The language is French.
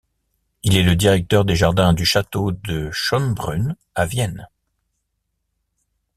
Il est le directeur des jardins du château de Schönbrunn à Vienne.